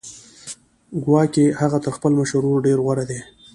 ګواکې هغه تر خپل مشر ورور ډېر غوره دی